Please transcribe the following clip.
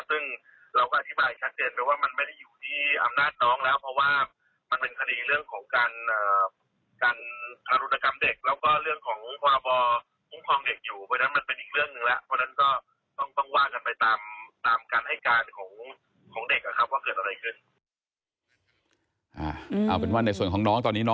ซึ่งเราก็อธิบายชัดเจนว่ามันไม่ได้อยู่ที่อำนาจน้องแล้ว